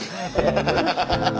ハハハハ。